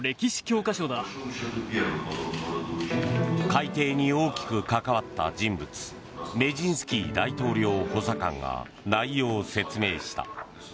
改訂に大きく関わった人物メジンスキー大統領補佐官が内容を説明した。